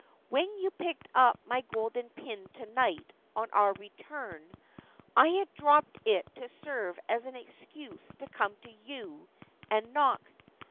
When you picked up my golden pin to night on our return, I had dropped it to serve as an excuse to come to you and knock.